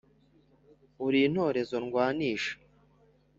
“ uri intorezo ndwanisha